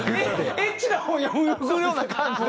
エッチな本読むような感じで？